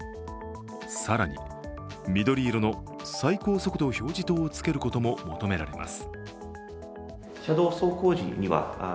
更に、緑色の最高速度表示灯をつけることも求められます。